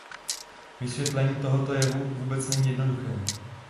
Vysvětlení tohoto jevu vůbec není jednoduché.